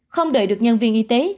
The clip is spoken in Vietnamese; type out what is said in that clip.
không đợi được nhân viên y tế